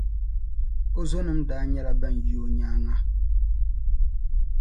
O zonima daa nyɛla ban yi o nyaaŋa.